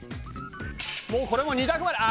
もうこれも２択まで。